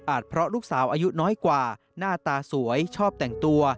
เพราะลูกสาวอายุน้อยกว่าหน้าตาสวยชอบแต่งตัว